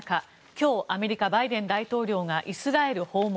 今日アメリカ、バイデン大統領がイスラエル訪問。